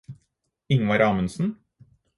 Ingvar Amundsen